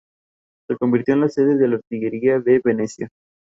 Esta acción es similar a la del cilindro de un motor de combustión interna.